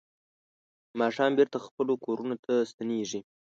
ماښام بېرته خپلو کورونو ته ستنېږي.